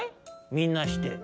みんなして。